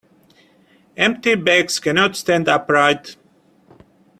Empty bags cannot stand upright.